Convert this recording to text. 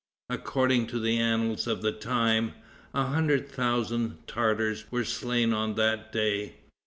According to the annals of the time, a hundred thousand Tartars were slain on that day.